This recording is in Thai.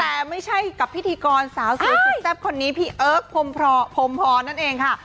แต่ไม่ใช่กับพิธีกรสาวสวยสุดแซ่บคนนี้พี่เอิร์กพรมพรนั่นเองค่ะ